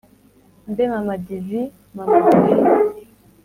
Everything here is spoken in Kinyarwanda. mbe mama divi….. mama divi……..!